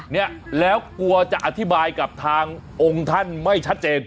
เนี่ยแล้วกลัวจะอธิบายกับทางองค์ท่านไม่ชัดเจน